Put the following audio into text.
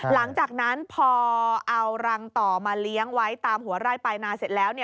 หลังจากนั้นพอเอารังต่อมาเลี้ยงไว้ตามหัวไร่ปลายนาเสร็จแล้ว